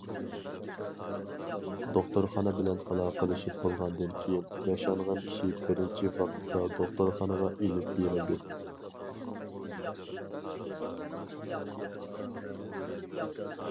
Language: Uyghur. دوختۇرخانا بىلەن ئالاقىلىشىپ بولغاندىن كېيىن، ياشانغان كىشى بىرىنچى ۋاقىتتا دوختۇرخانىغا ئېلىپ بېرىلدى.